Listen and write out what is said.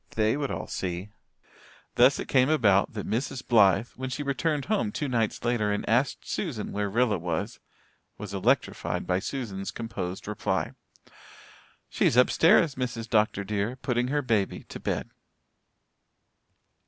They would all see! Thus it came about that Mrs. Blythe, when she returned home two nights later and asked Susan where Rilla was, was electrified by Susan's composed reply. "She's upstairs, Mrs. Dr. dear, putting her baby to bed."